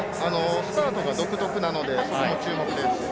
スパートが独特なので注目です。